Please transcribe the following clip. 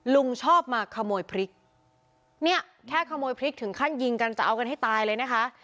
ลุงชอบมาขโมยพริกเนี่ยแค่ขโมยพริกถึงขั้นยิงกันจะเอากันให้ตายเลยนะคะ